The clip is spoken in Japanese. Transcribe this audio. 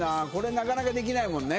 なかなかできないもんね